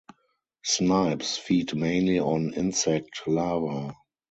Snipes feed mainly on insect larva.